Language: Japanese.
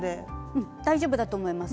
うん大丈夫だと思います。